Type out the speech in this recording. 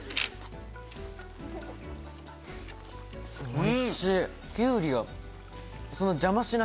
おいしい！